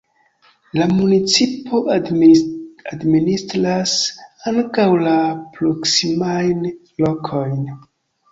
La municipo administras ankaŭ la proksimajn lokojn.